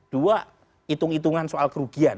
dua itung itungan soal kerugian